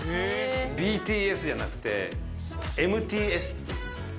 ＢＴＳじゃなくてＭＴＳっていう。